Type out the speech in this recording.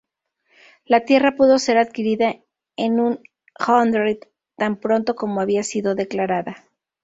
La tierra pudo ser adquirida en un hundred tan pronto como había sido declarada.